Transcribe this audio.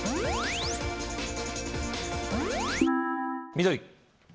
緑